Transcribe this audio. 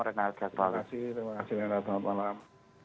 terima kasih selamat malam